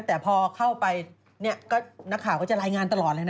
แต่พอเข้าไปนักข่าวก็จะรายงานตลอดเลยนะ